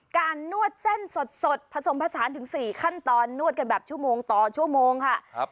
นวดเส้นสดผสมผสานถึง๔ขั้นตอนนวดกันแบบชั่วโมงต่อชั่วโมงค่ะ